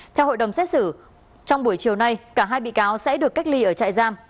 theo hội đồng xét xử trong buổi chiều nay cả hai bị cáo sẽ được cách ly ở trại giam